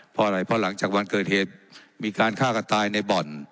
เพราะอะไรเพราะหลังจากวันเกิดเหตุมีการฆ่ากันตายในบ่อน